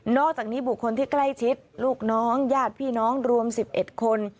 อกจากนี้บุคคลที่ใกล้ชิดลูกน้องญาติพี่น้องรวม๑๑คน